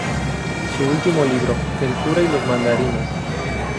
Su último libro "El cura y los mandarines.